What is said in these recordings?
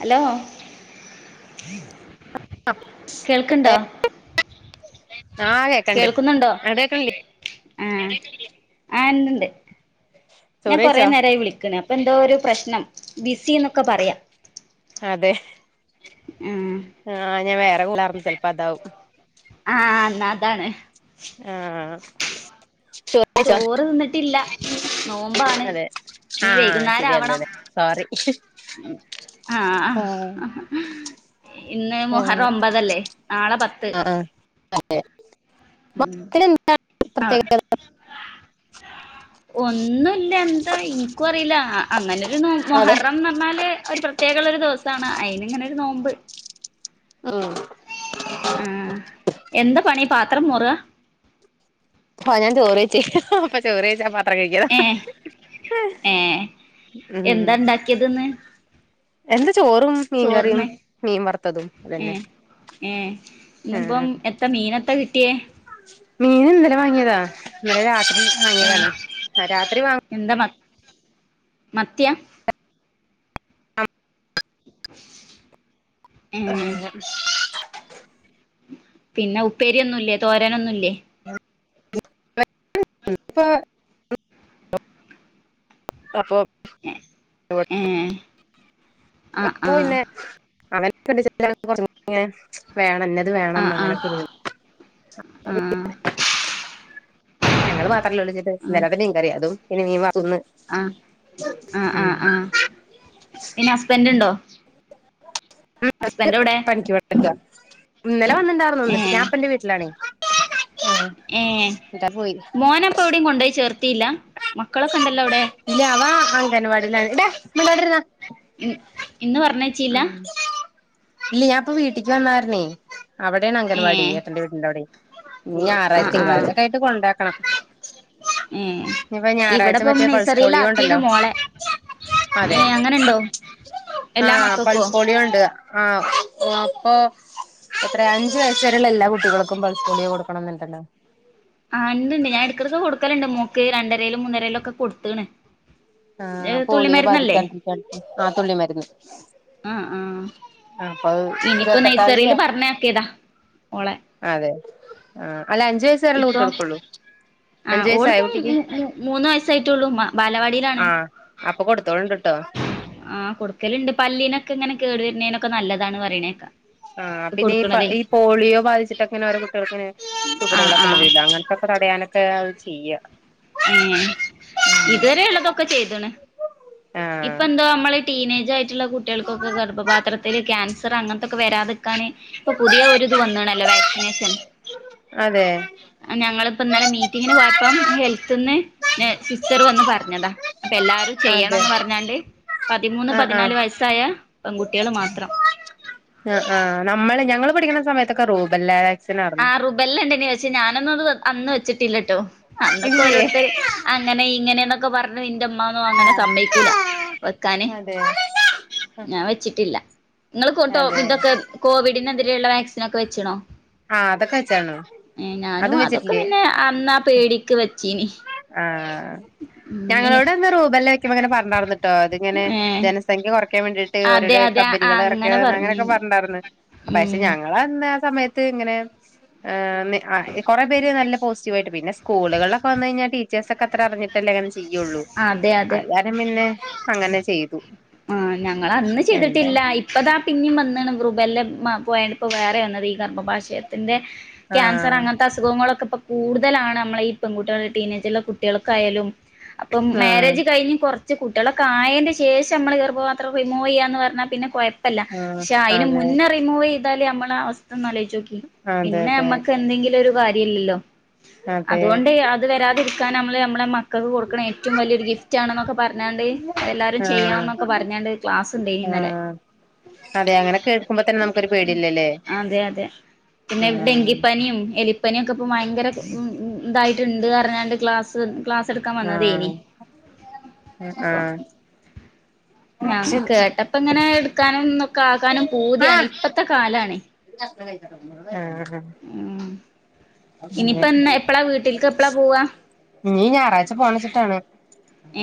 Hello കേൾക്ക്ണ്ടോ ആഹ് കേക്ക്ണ്ട് കേൾക്കുന്നുണ്ടോ അങ്ങട്ട് കേക്ക്ണില്ലേ ആഹ് ആഹ് ഇണ്ട് ഇണ്ട് ഞാൻ ചോറ് കുറെേ കഴിച്ചോ നേരമായി വിളിക്കണ് അപ്പൊ എന്തോ ഒരു പ്രശ്നം ബിസി എന്നൊക്കെ പറയാ ആഹ് അതെ ആഹ് ആഹ് ഞാൻ വേറെ കൂളാർന്നു ചെല് പ്പം അതാവും ആഹ് ന്നാ അതാണ് ആഹ് നീച്ചോ ചോറ് തിന്നിട്ടില്ല നോമ്പാണ് അതെ ഇനി ആഹ് ശരിയല്ലലെ സോറി ഹ് ഹ് ഉം അഹ് ഹ ഹ ഹ ഇന്ന് ആഹ് മുഹറം ഒമ്പതല്ലേ നാളെ പത്ത് അതെ ഉം ആഹ് പ്രത്യേകത ഒന്നുല്ല എന്താ ഇൻക്കുറീല അങ്ങനെ അതെ മൊഹറംന്ന് പറ്ഞ്ഞാല് ഒരു പ്രത്യേ കള്ളൊരു ദിവസാണ് അയിന്ങ്ങനൊരു നോമ്പ് ആഹ് ആഹ് എന്ത പണി പാത്രം മോറ ആഹ് ഞാൻ ചോറയ്‌ചേനി ഹ് ഹ അപ്പൊ ചോറെയ്‌ച്ചാ പാത്രം കെയ്‌കിയത ഏഹ് ഏഹ് എന്താ ണ്ടാക്കിയത് ന്ന് എന്ത് ചോറും മീൻകറിയും മീൻ വറ്ത്തതും തന്നെ ഏഹ് ഏ ഹ് ത്ത മീനത്ത കിട്ടിയേ മീൻ ഇന്നലെ വാങ്ങിയതാ ഇന്നലെ രാത്രി ഏഹ് വാങ്ങിയതാണ് രാത്രി വാങ്ങ് എന്താ മ മത്യാ ഇമ് ഉമ് പിന്നെ ഉപ്പേരിയൊന്നുല്ലേ തോരനൊന്നുല്ലേ [unintelligible] അപ്പൊ ഹ് ഇപ്പൊ ഹ്മ് പ്പോ പിന്നെ [unintelligible] വേണം ന്നത് വേണം ആഹ് അങ്ങനൊക്കെരിതാ ആഹ് [unintelligible] ഞങ്ങള് മാത്രല്ലേള്ളൂ ചിട്ട് ആഹ് ഇന്നലത്തെ മീൻകറിയ അതും പിന്നെ മീൻ വാർത്തുത് ന്ന് ആ ആ ആഹ് പിന്നെ ഹസ്ബൻഡ് ണ്ടോ ണ്ട് എവിടെ പണിക്ക്‌ പോയി ടെക്ക ഇന്നലെ വന്നിണ്ടായിര്ന്നു ഏഹ് ഞാൻപ്പ ന്റെ വീട്ടിലാണേ ഏഹ് എന്നിട്ടാ പോയി മോനപ്പൊ എവിടിം കൊണ്ടോയി ചേർത്തീല്ല മക്കളൊക്കെ ണ്ടല്ലോ അവ്ടെ ഇല്ല അവാ അംഗൻവാടിലാണ് ടാ മിണ്ടാതിര്ന്നാ ഉം ഇന്ന് പറ്ഞ്ഞെ ഉം ഇല്ല്യ ഞാൻപ്പൊ വീട്ടിക്ക് വന്നകാര് ണെ അവടെണ് ഏ അംഗൻവാടി ഏട്ടന്റെ വീട്ട് ണ്ടവ്ടെ ഇഞ്ഞാറാഴ് ആഹ് തിങ്ക്ളാഴ്ചക്കയിട്ട് കൊണ്ടാക്കണം ഏഹ് ഇനിയിപ്പ ഞായറാഴ്ച ഇവടെപ്പം മറ്റേ പൾസ് പോളിയോ നഴ്സറീലാക്കീണ് ഉണ്ടല്ലോ മോളെ അതെ ഏഹ് അങ്ങനെണ്ടോ എല്ലാ ആഹ് മക്കൾക്കോ പൾസ് പോളിയോ ണ്ട്. ആഹ് അപ്പൊ എത്രേ അഞ്ച് വയസ് വെരെള്ള എല്ലാ കുട്ടികൾക്കും പൾസ് പോളിയോ കൊടുക്കണംന്ന്ണ്ടല്ലോ ആഹ് ണ്ട് ണ്ട് ഞാൻ എട്ക്കടക്ക് കൊടുക്കല്ണ്ട് മോക്ക് രണ്ടരേലും മൂന്നരേലും ഒക്കെ കൊട്ത്ത്ണ് ഏഹ് തുള്ളി പോളിയോ മെര്ന്നല്ലേ [unintelligible] ആഹ് തുള്ളി മെര്ന്ന് ആഹ് ആഹ് ഇനിയിപ്പ ഇരുപത്തെട്ടാം നൈസറിൽ തീയതിയാ പറഞ്ഞയക്കിയതാ ഓളെ അതെ ആ അല്ല അഞ്ച് വയസ്സ് വരെള്ള ഇപ്പൊ കുട്ടിയെൾക്കൊള്ളു ആഹ് ഓള് പ്പം മൂ മൂ മൂന്ന് വയസ്സായിട്ടൊള്ളൂ മ ബാലവാടി ടിലാണ്. ആഹ് അപ്പൊ കൊടുത്തോളണ്ട് ട്ടോ ആഹ് കൊ ട് ക്കല്ണ്ട് പല്ലിനൊക്കെ ങ്ങനെ കേട് വര്ന്നേനൊക്കെ നല്ലതാണ് പറിണേക്ക ആഹ് പിന്നെ ഈ പ ഈ പോളിയോ ബാധിച്ചിട്ടക്ക്‌ ങ്ങനെ ഓരോ കുട്ടികൾക്ക്‌ നെ ആഹ് സുഖതകളൊക്കെണ്ട് ആഹ് വരില്ല അങ്ങൻത്തൊക്കെ തടയാനൊക്കെ അത് ചെയ്യ ഏ ഇതുവരെ ഉള്ളതൊക്കെ ചെയ്താണ് ഇപ്പ ആഹ് എന്തോ നമ്മള ടീനേജ് ആയിട്ടുള്ള കുട്ടികൾക്കൊക്കെ ഗർഭപാത്രത്തില് ക്യാൻസർ അങ്ങനത്തൊക്കെ വരാതിക്കാാന് ഇപ്പൊ പുതിയ ഒരുരിത് വന്നണല്ലോ വാക്സിനേഷൻ അതെ ഞങ്ങളിപ്പോ ഇന്നലെ മീറ്റിംഗിന് പോയപ്പം ഹൽ ത്തന്ന് സിസ്റ്റർ വന്ന് പറഞ്ഞതാ അപ്പൊ എല്ലാരും അതെ ചെയ്യണംന്ന് പറഞ്ഞാണ്ട് പതിമൂന്ന് ആഹ് ആഹ് പതിനാല് വയസ്സായ പെൺകുട്ടികൾ മാത്രം ആ ആ് നമ്മള് ഞങ്ങള് പഠിക്കണ സമയത്തൊക്കെ റൂബ്ല്ല ആ റുബെല്ലണ്ട നി പക്ഷേ ഞാനൊന്നും അന്ന് വെച്ചിട്ടില്ലട്ടോ അന്നൊക്കെ ഇല്ലേ ഓരോരുത്തര് അങ്ങനെ ഇങ്ങനെന്നൊക്കെ പറഞ്ഞു ഇന്റെ മ്മ ഒന്നും അങ്ങനെ ആഹ് സമ്മയിക്കൂല വെക്കാന് അതെ ഞാൻ വെച്ചിട്ടില്ല നിങ്ങൾക്കട്ടോ അതെ ഇതൊക്കെ കോവിഡിനെതിരെയുള്ള വാക്സിൻ ഒക്കെ വെച്ചണോ ആഹ അതൊക്കെ വെച്ചാണോ ഞാനും അതും അതൊക്കെ വെച്ചിട്ടില്ലേ പിന്നെ അന്നാ പേടിക്ക് വെച്ചീനി ആഹ ഉം ഇനി ഞങ്ങളോട് അന്ന് റുബല്ല വെക്കുമ്പോ അങ്ങനെ പറഞ്ഞാര്ന്നിട്ടോ ഇതിങ്ങനെ ഏ ജനസഖ്യ കുറയ്ക്കാൻ വേണ്ടിട്ട് അതെ ഓരോരോ അതെ കമ്പനികൾ അങ്ങനെ ഇറക്കന്ന് അങ്ങനൊക്കെ പറഞ്ഞീനി പറഞ്ഞിണ്ടായിരുന്നു പക്ഷെ ഉം ഞങ്ങളന്നാ സമയത്ത് ഇങ്ങനെ കുറെ പേര് നല്ല പോസി റ്റീവായിട്ട് പിന്നെ സ്കൂളുകളൊക്കെ വന്ന് കഴിഞ്ഞാ ടീച്ചേർസ് ഒക്കെ അറിഞ്ഞു ട്ടല്ലേ അങ്ങനെ ചെയ്യുള്ളൂ അതെ അതെ അരും പിന്നെ അങ്ങനെ ചെയ്തു ഞങ്ങൾ അന്ന് എന്താ ചെയ്തിട്ടില്ല ഇ പ്പതാ പിന്നെയും വന്ന്ണ് റുബല്ല മ പോയണ്ട് ഇപ്പോ വേറെ വന്നത് ഈ കർമ്മഭാശയത്തിന്റെ ക്യാൻസർ ആഹ് അങ്ങനത്തെ അസുഖങ്ങളൊക്കെ ഇപ്പൊ കൂടുതലാണ് നമ്മളെ ഈ പെൺകുട്ടള ടീനേജിലുള്ള കുട്ടികൾക്കായാലും അപ്പം ആഹ് മാരേജ് കഴിഞ്ഞ് കൊറ കുട്ടികളൊക്കെ ആയെന് ശേഷം നമ്മളെ ഗർഭപാത്രം റിമൂവ് ചെയ്യാ എന്ന് പറഞ്ഞാൽ പിന്നെ കൊയപ്പല്യാ ആഹ് പക്ഷെ അതിന് അതെ മുന്നറ റിമൂവ് ചെയ്താലൽ നമ്മളെ അവസ്ഥ ഒന്നാലോയച്ചോക്കി അതെ പിന്നെ അതെ നമ്മക്ക് എന്തെങ്കിലും ഒരു കാര്യം ഇല്ലല്ലോ അതെ അതുകൊണ്ട് അത് വരാതിരിക്കാൻ നമ്മള് നമ്മുടെ മക്ക കൊടുക്കണം ഏറ്റവും വലിയൊരു ഗിഫ്റ്റ് ആണെന്നൊക്കെ പറഞ്ഞാണ്ട് അതെല്ലാവരും ചെയ്യണം ആഹ് എന്നൊക്കെ പറഞ്ഞാണ്ട് ക്ലാസ് ഇണ്ടായനീ ഇന്നലെ ആഹ് അതെ അങ്ങനെ കേൾക്കുമ്പോ തന്നെ നമുക്കൊരു പേടില്ലല്ലേ അതെ അതെ പിന്നെ ആഹ് ഡെങ്കി പനി ഏലി പനി ഭയകര ഇതായിട്ട് ഇണ്ട് പറഞ്ഞാണ്ട് ക്ലാസ്സ്‌ ക്ലാസ്സ്‌ എടുക്കാൻ വന്നതയ്നീ ആഹ് അപ്പൊ ആഹ് ഞാ കേട്ടപ്പ ഇങ്ങനെ എടുക്കാനും ക്കെ ആകാനും പൂതിയാണ് ആഹ് ഇപ്പത്തെ കാലാണ് ആഹ് ഉം ഇനിയിപ്പ എന്നാ എപ്പളാ വീട്ടിലേക്ക് എപ്പഴാ പോവാ ഇനി ഞായറാഴ്ച്ച പോണം വെച്ചിട്ടാണ്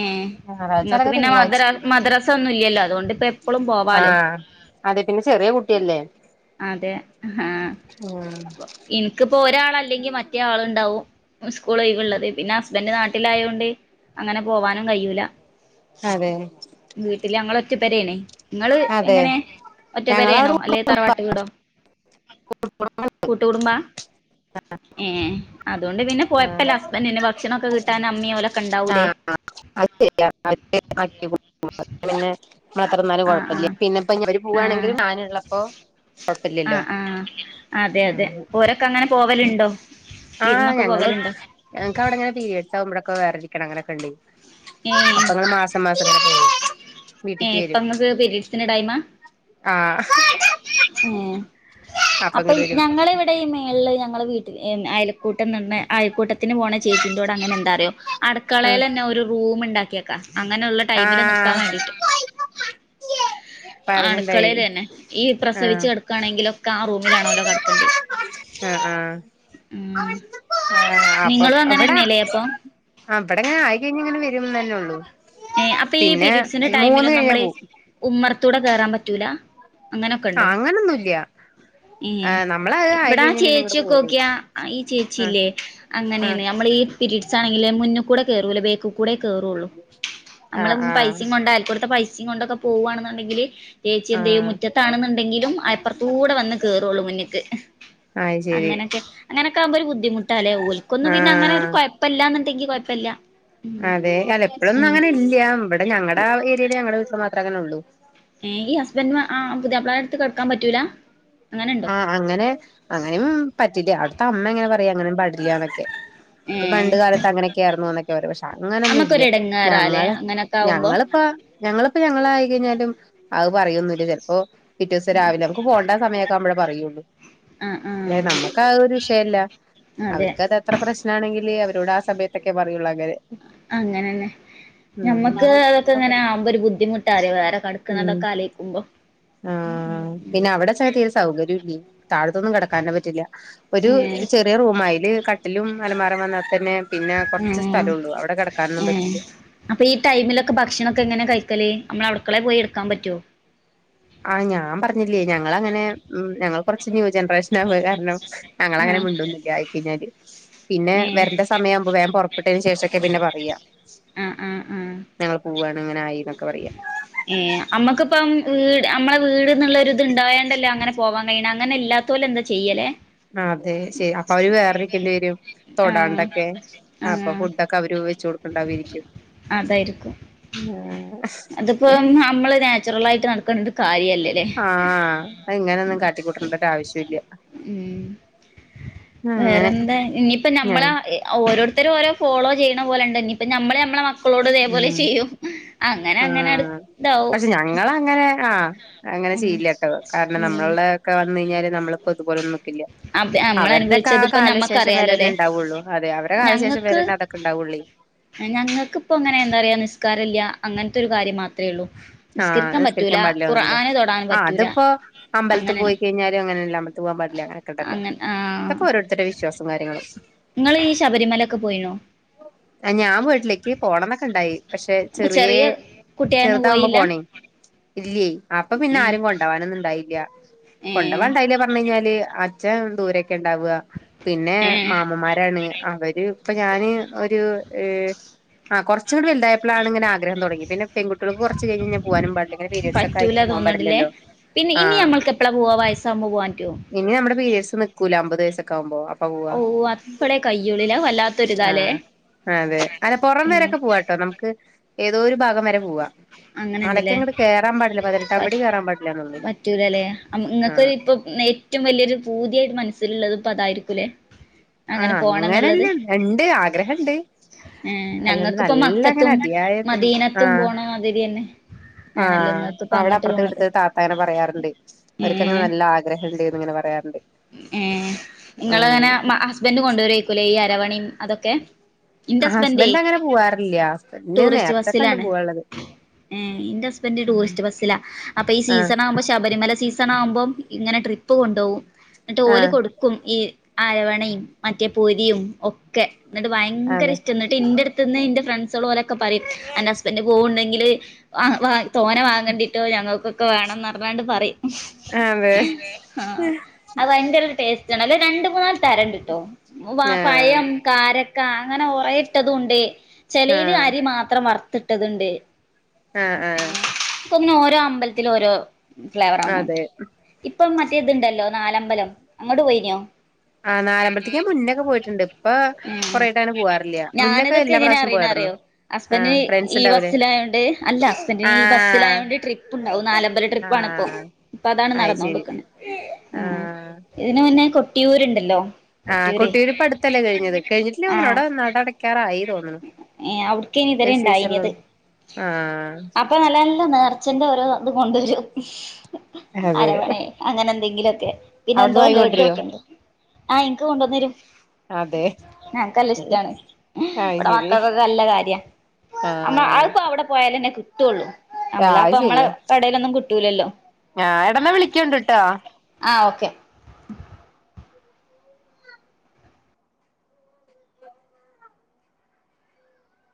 ഏ ഞായറാഴ്ച നിങ്ങൾക്ക് അല്ലേൽ പിന്നെ തിങ്കളാഴ്ച മദ്ര മദ്രസ ഒന്നും ഇല്ലല്ലോ അതുകൊണ്ട് ഇപ്പ എപ്പളും പോവാലോ ആഹ അതെ പിന്നെ ചെറിയ കുട്ടിയല്ലേ അതെ ആഹ ഉം എനിക്ക്പ്പോ ഒരാൾഅല്ലെങ്കിൽ മറ്റേ ആളുണ്ടാവും സ്കൂൾള്ളത് പിന്നെ ഹസ്ബൻറ് നാട്ടിലായതോണ്ട് അങ്ങനെ പോവാനും കയിഴൂല അതെ വീട്ടില് ഞങ്ങൾ ഒറ്റ പേരെണ് നിങ്ങള് അതെ എങ്ങനെ ഒറ്റപ്പെരയാണോ ഞങ്ങളവിടെ അല്ലെ തറവാട്ട് വീടോ കൂട്ടുകടുംബ ഏ അതുകൊണ്ട് പിന്നെകൊയപ്പമല്ല ആഹ് ഹസ്ബന്റിന് ഭക്ഷണൊക്കെ കിട്ടാൻ അമ്മ ഓൽ ഒക്കെ ഇണ്ടാവൂല്ലേ ആ അത് ശരി ആണ് [unintelligible] പിന്നെ നമ്മളെത്രന്നാലും ആഹ് കുഴപ്പല്ല്യ പിന്നെപ്പഞ്ഞി അവര് പോവാണെങ്കിലും ആന്ള്ളപ്പോ അ ആ അതെ അതെ അങ്ങനെ പോരൊക്കെ അങ്ങനെ പോവലുണ്ടോ ആ വിരുന്നൊക്കെ ഞങ്ങള് പോവലുണ്ടോ ഞങ്ങക്ക് അവ്ടെങ്ങനെ പീരയഡ്സ് ആകുമ്പഴൊക്കെ വേറെ ഇരിക്കണം അങ്ങനൊക്കെണ്ടയ് ഏഹ് അപ്പങ്ങള് മാസ്ക് സമ്മാസ് [unintelligible] ഏ ഇപ്പ ങ്ങക്ക് പീരീഡ്സിന്റെ ടൈമാ? ആഹ് ഏ അപ്പ ഇങ്ങട് അപ്പഴ് വരും ഞങ്ങള് വ് ടെ ഈ മേള്ല് ഞങ്ങള് വീട്ടിൽ ഏ അയൽക്കൂട്ടം ന്ന് ർഞ്ഞെ അയൽക്കൂട്ടത്തിന് പോണ ചേച്ചിന്റോടെ അങ്ങനെണ്ടാറിയോ ആഹ് അടുക്കളയിലന്നെ ഒരു റൂം ഉണ്ടാക്കിയക്ക അങ്ങനെയുള്ളള്ള ടൈമില് നിക്കാൻ ആഹ് വേണ്ടീട്ട് പറഞ്ഞിണ്ടായി അടുക്കളയിലെന്നെ ഈ പ്രസവിച്ച് ആഹ് കെട്ക്കാണെങ്കിലൊക്കെ ആ റൂമിലാണോലൊ കെട്ക്കേണ്ടി ആ ആ അപ്പൊ നിങ്ങളും വടാ അങ്ങനെന്നെല്ലേ അപ്പൊ ആ വിട ങ്ങനെ ആയിക്കഴിഞ്ഞ ങ്ങനെ വരുംന്നന്നെള്ളൂ ഏ അപ്പൊ ഈ പീരീഡ്സിന്റെ ടൈമില് കഴിഞ്ഞാ ന്നമ്മ്ള് പോവും ഉമ്മർത്തൂടെ കേറാൻ പറ്റൂല ആ അങ്ങനൊന്നുംല്യ ഏ ഇങ്ങട് പോരും ഇവ്ടാചേച്ചിക്കോക്കിയാ ഈ ആഹ് ചേച്ചില്ലേ ആഹ് അങ്ങനെണ് നമ്മൾ ഈ പിരീഡ്സ് ആണെങ്കില് മുന്ന്ക്കൂടെ കേറൂല ബേക്ക്ക് കൂടെ കേറുള്ളൂ നമ്മള് ആഹ് ആഹ് പൈസിം കൊണ്ട് അയൽക്കൂട്ത്തെ പൈസിം കൊണ്ടൊക്കെ പോവവാണെന്നുണ്ടെങ്കില് ചേച്ചി എന്തെയ്യും ആഹ് മുറ്റത്താണെന്നുണ്ടെങ്കിലും അയ്പ്പുറത്തൂടെ വന്ന് കേറോളു മുന്ന്ക്ക് അയ് ശരി അങ്ങനെക്കെ അങ്ങനൊക്കെ ആകുമ്പോ ഒരു ബുദ്ധിമുട്ട് ല്ലെ ഓൽക്കൊന്നു പിന്നെ അങ്ങനെ ഒരു ആഹ് കൊഴ്പ്പല്ലാന്നുണ്ടെങ്കി കൊഴ്പ്പല്ല അതെ അല്ല ഇപ്പഴൊന്നും അങ്ങനെ ഇല്ല്യ ഇവിടെ ഞങ്ങടെ ഏരിയല് ഞങ്ങടെ വീട്ടില് മാത്രേ അങ്ങനെ ഉള്ളൂ ഏ ഈ ഹസ്ബൻഡ്മാ ആ പുതിയാപ്ളാരട്ത്ത് കെട്ക്കാൻ പറ്റൂല അങ്ങനെ ണ്ടോ? ആ അങ്ങനെ അങ്ങനെയും പറ്റില്ല അവ്ടുത്തെ അമ്മങ്ങനെ പറയും അങ്ങനും പടില്ലന്നൊക്കെ ഈ ഏഹ് പണ്ട് കാലത്ത് അങ്ങനെക്കെയായിരുന്നു ന്നൊക്കെ വറിം പക്ഷെ അങ്ങനൊന്നും ഇല്യ നമ്മക്കൊരു ഇടങ്ങേറാല്ലേ ഞങ്ങള് അങ്ങനൊക്കെ ആവുമ്പോ ഞങ്ങള്പ്പ ഞങ്ങളിപ്പോ ഞങ്ങള ആയി കഴിഞ്ഞാലും അത് പറയൊന്നില്ല ചിലപ്പോ പിറ്റേ ദിവസം രാവിലെ നമുക്ക് പോണ്ട സമയ ക്കാവുംമ്പഴ പറയുള്ളൂ ആഹ് അതെ ആഹ് നമ്മുക്ക് ആ ഒരു വിഷയല്ല അതെ അവര്ക്കത് അത്ര പ്രശ്നാണെങ്കില് അവരോട് ആ സമയത്തൊക്കെ പറയൊള്ള് അങ്ങനെ അങ്ങനന്നെ ഞമ്മക്ക് ഉം അതൊക്കെ ങ്ങനെ ആവുമ്പോ ഒരു ബുദ്ധിമുട്ടാലെ വേറേ കട്ക്ക്ന്നതൊക്കെ ആലൊയിക്കുമ്പോ ആ പിന്നെ അവ്ടെച്ച തീരെ സൗകര്യംല്ലേയ് താഴത്തൊന്നും കിടക്കാനും പറ്റില്ല ഒരു ഏഹ് ചെറിയ റൂമാ ആയ്ല് കട്ടിലും അലമാറെം വന്നാ തന്നെ പിന്നെ ആ കൊർച്ച് സ്ഥലള്ളൂ അവിടെ കിടക്കാനൊന്നും പറ്റില്ല അപ്പ ഈ ടൈമിലൊക്കെ ഭക്ഷണൊക്കെ എങ്ങനെ കഴിക്കല് അമ്മള് അവ്ടുക്കളെ പോയി എടുക്കാൻ പറ്റോ ആ ഞാൻ പറഞ്ഞില്ലേ ഞങ്ങളങ്ങനെ ഉം ഞങ്ങൾ കുറച്ച് ന്യൂ ജനറേഷനാം പോയ് കാരണം ഞങ്ങളങ്ങനെ ആഹ് മിണ്ടൊന്നില്ല ആയ്ക്കഴിഞ്ഞാല് പിന്നെ ഏഹ് വര്ന്റെ സമയ ആവുമ്പോ വേൻ പൊറപ്പെട്ടതിന് ശേഷൊക്കെ പിന്നെ പറയാ ആഹ് ആഹ് ആഹ് ഞങ്ങൾ പോവാണ് ങ്ങനെ ആയി ന്നൊക്കെ പറയാ ഏ അമ്മക്ക്പ്പം വീട് അമ്മളെ വീട്ന്നുള്ളരുത് ണ്ടായോണ്ടല്ലേ അങ്ങനെ പോവാൻ വേണ അങ്ങനെ ഇല്ലാത്തോല് എന്താ ചെയ്യലേ അതെ ശെ അപ്പൊ അവര് വേറെ വെക്കേണ്ടി വരും ആഹ് തൊടാണ്ടൊക്കെ അപ്പൊ ആഹ് ഫുഡൊക്കെ അവര് വെച്ച് കൊടുക്ക്ണ്ടാവേര് ക്കും അതായിരിക്കും അതിപ്പോ നമ്മള് നാച്ചുറൽ ആയിട്ട് നടക്കണ്ടി ആ അത് ഇങ്ങനൊന്നും കാട്ടിക്കൂട്ടേണ്ട ഒരു ആവശ്യം ഇല്ല ഉം അങ്ങനെ വേറെന്താ ഇനിയിപ്പ ഞമ്മള ഞാൻ ഓരോരുത്തരും ഓരോ ഫോളോ ചെയ്യണ പോലെ ഉണ്ട് ന്നിപ്പ ഞമ്മള് ഞമ്മള മക്കളോട് ഇതേപോലെ ചെയ്യും അങ്ങനെ ആ അങ്ങനെ അടു ഇതാവും പക്ഷെ ഞങ്ങളങ്ങനെ ആ അങ്ങനെ ഉം ചെയ്യ്ല്യാ ട്ടോ കാരണം ഉം നമ്മളെ ഒക്കെ വന്ന് കഴിഞ്ഞാല് നമ്മളിപ്പോ ഇതുപോലൊന്നും നിക്കില്ല്യ അപ്പ നമ്മള് അവരുടെൊക്കെ ആ അനുഭവിച്ചത് ഇപ്പ കാലശേഷം വരന്നേ ഞമ്മക്കറിയാലോല്ലേ ഉണ്ടാവുള്ളു അതെ അവരുടെ കാലശേഷം വരന്നേ അതൊക്കെ ഉണ്ടാവുള്ളി ഞങ്ങൾക്ക്ിപ്പ അങ്ങനെ എന്താ പറയാ നിസ്കാരമല്ല അങ്ങനത്തെ ഒരു കാര്യം മാത്രമേ ഉള്ളൂ ആഹ് നിസ്കരിക്കാൻ പറ്റൂല നിമസ്കരിക്കാൻ പാടില്ല ഒന്നണ്ടേ ഖുർആന് തൊടാൻ ആ പറ്റൂല അതിപ്പോൊ അമ്പലൽ അങ്ങനെ പോയി കഴിഞ്ഞാലും അങ്ങനെയല്ല മല [unintelligible] ണ്ടല്ലോ അങ്ങ ആഹ് അതൊക്കെ ഓരോരുത്തരുടെ വിശ്വാസം കാര്യങ്ങളും ഇങ്ങള് ഈ ശബരിമലൊക്കെ പോയിണോ ആ ഞാൻ വീട്ടിലേക്ക് പോണംന്നൊക്കെ ഉണ്ടായി പക്ഷെ അപ്പൊ ചെറിയേ ചെറിയ കുട്ടിയായന്ന് ചെറുതാവുമ്പോ പോയില്ല പോണേ ഇല്ലേയ് അപ്പൊ പിന്നെ ഏഹ് ആരും കൊണ്ടോവാനൊന്നു ഉണ്ടായില്ല കൊണ്ടവാൻ ഏഹ് ഉണ്ടായില്ല പറഞ്ഞ് കഴിഞ്ഞാല് അ ച്ഛൻ ദൂരൊക്കെ ഉണ്ടാവുക പിന്നെ ഏഹ് മാമൻമാരാണ് അവര് ഇപ്പൊ ഞാന് ഒരു ഏഹ് ആഹ് കുറച്ചങ്ങട് വലുതയാപ്പോലാണ് ഇങ്ങനെ ആഗ്രഹം തുടങ്ങി പിന്നെ പെൺകുട്ടികൾക്ക് കുറ പിന്നെ പോവനും പാടില്ല ഇങ്ങനെ പരീഡ്സൊക്കെ ആയ പറ്റൂല പോവാനും തോന്നുന്നുണ്ടല്ലേ പടില്ലല്ലോ പിന്നെ ഇനി നമ്മക്ക് എപ്പളാ പോവാ വയസാവുമ്പോ പോവൻ പറ്റോ ഇനി നമ്മുടെ പേരീഡ്സ് നിക്കൂലെ അമ്പത് വയസോക്കെ ആകുമ്പോം അപ്പോ ഓഹ് അപ്പളേ കയ്യോളില്ലെ അത് വല്ലാത്തൊരിതാലേ ആഹ് അതെ അല്ല പുറം വരൊക്കെ പോവാട്ടോ നമുക്ക് ഏതോ ഒരു ഭാഗം വരെ പോവാ മലക്ക് അങ്ങനുണ്ടല്ലേ അങ്ങട്ട് കേറാൻ പാടില്ല പ പതിനെട്ടാംപടി കേറാൻ പാടില്ലന്നൊള്ളു പറ്റൂലല്ലെ നിങ്ങൾക്കൊരു ആഹ് ഇപ്പം ഏറ്റവും വലിയൊരു പൂതിയായിട്ട് മനസ്സിലുള്ളത് ഇപ്പ അതായിരിക്കുല്ലേ ആഹ് അങ്ങനല്ല ഉണ്ട് ആഗ്രഹണ്ട് ഏഹ് അല്ലാണ്ട് ഞങ്ങൾക്കിപ്പ നല്ല അങ്ങനെ മക്കത്തും അതിയായത്ണ്ട് ആഹ് അതിയന്നെ ആഹ് അവിടെ അപ്പുറത്തെ വീട്ടിത്തെ താത്താങ്ങനെ പറയാറുണ്ട് അവർക്ക്ങ്ങനെ ഏഹ് നല്ല ആ ഗ്രഹ ഉണ്ട്ന്ന് ഇങ്ങനെ പറയാറുണ്ട് ഏഹ് ഉം നിങ്ങളിങ്ങനെ ഹസ്ബൻഡ് കൊണ്ടുവരരുക്കൂല്ലേ ഈ അരവണയും അതൊക്കെ ഇന്റെ ഹസ്ബൻഡേ ഹസ്ബൻന്റ് അങ്ങനെ പോവാറില്ല ഹസ്ബന്റിന് നേർച്ചൊക്കെ ഉണ്ട് പോവാള്ളത് ഉം എന്റെ ഹസ്ബൻഡ് ടൂറിസ്റ്റ് ബസ്സിലാ അപ്പൊ ഈ ആഹ് സീസൺ ആകുമ്പോ ശ ബരിമല സീസൺ ആകുമ്പോം ഇങ്ങനെ ട്രിപ്പ് കൊണ്ട് പോവും ട്ട് ഓല് ആഹ് കൊടുക്കും ഈ അരവണയും മറ്റേ പൊരിയും ഒ ക്കെ എന്നിട്ട് ഭയങ്കര അതെ ഇഷ്ട എന്നി ട്ട് എന്റെ അടുത്ത്‌ന്ന് എന്റെ ഫ്രണ്ട്സൊൾ ഓലൊക്കെ പറയും അന്റെ ഹസ്ബൻഡ് പോവുണ്ടെങ്കിൽ വാ വാ തോന വാങ്ങണ്ടിട്ടോ ഞങ്ങൾക്കൊക്കെ വേണംന്ന് പറഞ്ഞാണ്ട് പറയും അതെ ആഹ് അത് ഭയങ്കര ഒരു ടേസ്റ്റ് ആണ് അല്ലെ രണ്ട് മൂന്നാൾ തരണ്ടിട്ടോ ആഹ് പഴം കാരക്ക അങ്ങനെ ഉറയിട്ടതുണ്ട് ചെലേൽ ആഹ് അരി മാത്രം വറത്തി ട്ടതിണ്ട് ആഹ് ആഹ് ക്ക്‌ തോന്നുണു ഓരോ അമ്പലത്തിലും ഓരോ ഫ്ലേവറവുന്നുണ്ട് അതെ ഇപ്പം മറ്റേത്ണ്ടല്ലോ നാലമ്പലം അങ്ങോട്ട് പോയിനോ ആഹ് നാലമ്പലത്തിക്ക് ഞാൻ മുന്നൊക്കെ പോയിട്ടുണ്ട് ഇപ്പൊ ഉം കൊറെയായിട്ട് അങ്ങനെ പോവാറില്ല മുന്നൊക്കെ ഞാനിതൊക്കെ എല്ലാ എങ്ങനെ പ്രാവശ്യം അറിയണ പോയാരുന്നു അറിയോ ആഹ് ഹസ്ബന്റിന് ഫ്രണ്ട്സ് ഈ ഉണ്ടാവൂലേ ബസ്സിലായൊണ്ട് അല്ല ഹസ്ബന്റിന് ഈ ആഹ് ബസ്സിലായൊണ്ട് ട്രിപ്പ് ഉണ്ടാവും നാലമ്പല ട്രി പ്പാണിപ്പോ ആഹ് ഇപ്പൊ അതാണ് അത് ശരി നടന്നോണ്ടിക്കണ ആഹ് ഇതിന് മുന്നേ കൊട്ടിയൂരുണ്ടല്ലോ ആഹ് കൊട്ടിയൂര് കൊട്ടിയുരിപ്പോ അടുത്തല്ലേ കഴിഞ്ഞത് കഴിഞ്ഞിട്ടില്ലേ തോന്നണു ആഹ് അവിടെ നടയടാക്കാറായി തോന്നുണു അവിടിക്കിനി ഇതരെ ഉണ്ടായിഞ്ഞത് ആഹ് അപ്പൊ നല്ലാനല്ല നേർച്ചന്റെ ഓരോ ഇത് കൊണ്ടുവരും അതെ അരവണേ അങ്ങനെ എന്തെങ്കിലും പിന്നെ എന്തോ അവിടുന്ന് ലഡു വാങ്ങിക്കൊണ്ടിരുവോ ഒക്കെണ്ട് ആഹ് എനിക്കു കൊണ്ടുവന്നരും അതെ എനക്കല്ല ഇഷ്ടാണ് അത് ഇവിടെ ശരി മക്കൾക്കൊക്കെ നല്ല കാര്യ നമ്മ ആഹ് അതിപ്പോ അവിടെ പോയാലന്നെ കിട്ടുള്ളൂ നമ്മള അത് അപ്പം നമ്മളെ ശരിയാ കടയിലൊന്നും കിട്ടൂലല്ലോ ആഹ് എട ന്ന വിളിക്കണ്ട് ട്ടോ ആഹ് ഓക്കെ